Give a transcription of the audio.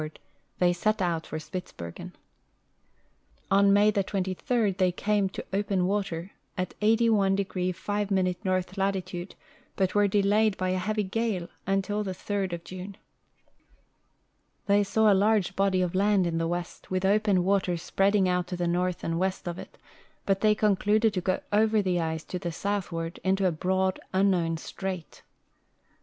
342 THE NANSEN POLAR EXPEDITION they set out for Spitzbergen. On May 23d they came to open water, at 81° 5' north latitude, but were delayed by a heavy gale until the 3d of June. They saw a large body of land in the west, with open water spreading out to the north and west of it, but they concluded to go over the ice to the southward, into a broad unknown strait.